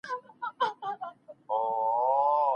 مثبت فکر کول ستاسو ژوند بدلوي.